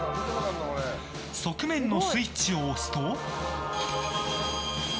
側面のスイッチを押すと。